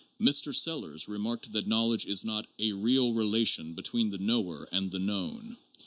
Mr. Sellars remarked that knowledge is not '' a real relation between the Tcnower and the known."